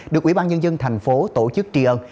được ủy ban nhân dân thành phố tổ chức tri ân